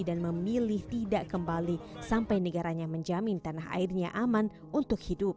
dan memilih tidak kembali sampai negaranya menjamin tanah airnya aman untuk hidup